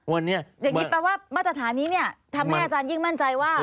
อย่างนี้แปลว่ามาตรฐานนี้ทำให้อาจารย์ยิ่งมั่นใจว่า